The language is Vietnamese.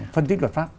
phân tích luật pháp